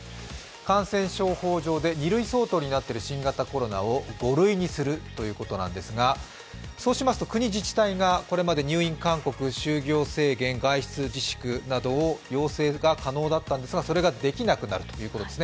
感染症法上で２類相当になっている新型コロナを５類にするということなんですがそうしますと国、自治体がこれまで入院勧告、就業制限、外出自粛など要請が可能だったんですが、それができなくなるということです。